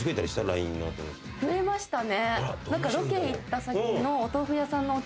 増えましたね。